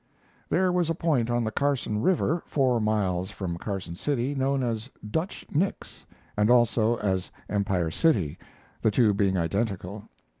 There was a point on the Carson River, four miles from Carson City, known as "Dutch Nick's," and also as Empire City, the two being identical.